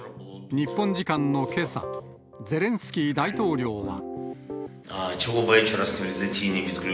日本時間のけさ、ゼレンスキー大統領は。